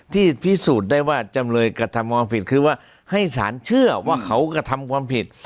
พิสูจน์ได้ว่าจำเลยกระทำความผิดคือว่าให้สารเชื่อว่าเขากระทำความผิด